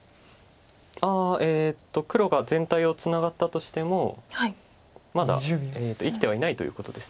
あ黒が全体をツナがったとしてもまだ生きてはいないということです。